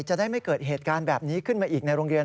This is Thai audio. จะได้ไม่เกิดเหตุการณ์แบบนี้ขึ้นมาอีกในโรงเรียน